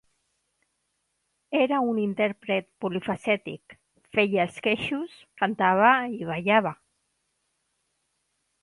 Era un intèrpret polifacètic: feia esquetxos, cantava i ballava.